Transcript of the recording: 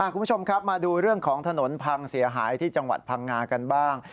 คุณผู้ชมครับมาดูเรื่องของถนนพังเสียหายที่จังหวัดพังงากันบ้าง